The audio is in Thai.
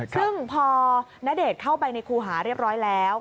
ซึ่งพอณเดชน์เข้าไปในครูหาเรียบร้อยแล้ว